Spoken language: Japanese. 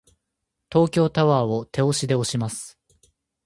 東京タワーを手押しで押します。